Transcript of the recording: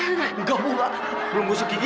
nggak bu nggak belum masuk gigi